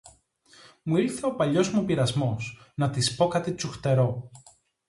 Μου ήλθε ο παλιός μου πειρασμός, να της πω κάτι τσουχτερό